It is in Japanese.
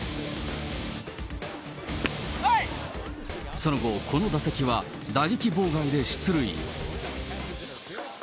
その後、この打席は打撃妨害で出塁。